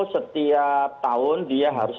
setiap tahun dia harus